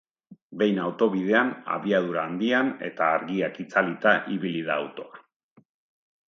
Behin autobidean, abiadura handian eta argiak itzalita ibili da autoa.